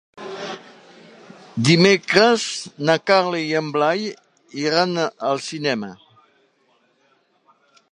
Dimecres na Carla i en Blai iran al cinema.